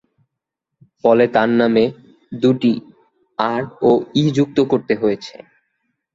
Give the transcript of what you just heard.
ফলে তার নামে দু'টি 'আর' ও 'ই' যুক্ত করতে হয়েছে।